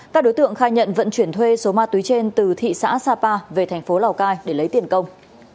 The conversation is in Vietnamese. các đối tượng khai nhận vận chuyển thuê số ma túy trên từ thị xã sapa về thành phố lào cai để lấy tiền công